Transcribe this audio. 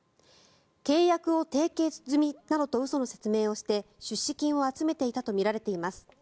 契約を締結済みなどと嘘の説明をして出資金を集めていたとみられています。